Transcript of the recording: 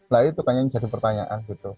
lain itu kan yang jadi pertanyaan